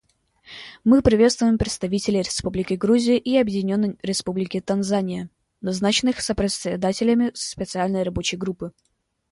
Мы приветствуем представителей Республики Грузия и Объединенной Республики Танзания, назначенных сопредседателями Специальной рабочей группы.